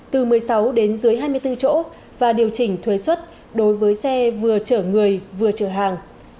từ một mươi sáu đến dưới hai mươi bốn chỗ và điều chỉnh thuế xuất đối với xe vừa chở người vừa chở hàng